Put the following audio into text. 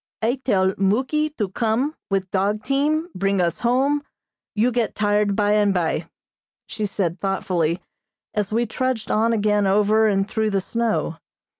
"I tell Muky to come with dog team, bring us home, you get tired by and by," she said thoughtfully, as we trudged on again over and through the snow.